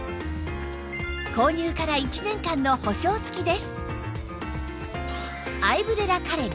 購入から１年間の保証付きです